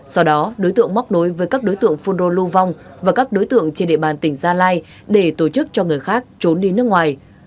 sau đó đối tượng móc nối với các đối tượng phun rô lưu vong và các đối tượng trên địa bàn tỉnh gia lai để tổ chức cho người khác trốn đi nước ngoài